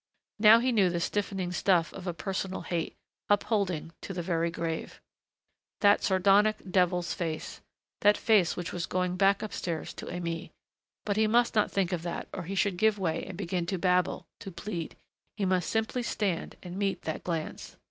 Now he knew the stiffening stuff of a personal hate, upholding to the very grave.... That sardonic, devil's face.... That face which was going back upstairs to Aimée.... But he must not think of that or he should give way and begin to babble, to plead.... He must simply stand and meet that glance....